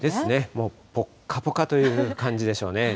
もうぽっかぽかという感じでしょうね。